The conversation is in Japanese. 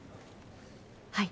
はい。